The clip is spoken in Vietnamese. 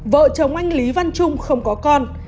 vợ chồng anh lý văn trung không có con